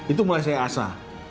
itu mulai saya asah